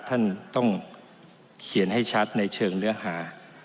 ท่านต้องเขียนให้ชัดในเชิงเนื้อหา